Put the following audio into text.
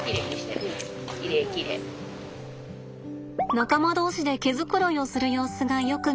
仲間同士で毛繕いをする様子がよく見られます。